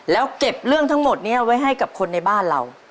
แล้วเก็บเรื่องทั้งหมดนี้ไว้ให้กับคนในบ้านเรา